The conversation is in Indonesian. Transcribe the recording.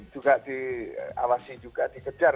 juga diawasi juga dikejar